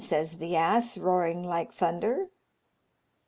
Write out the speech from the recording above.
says the ass, roaring like thunder.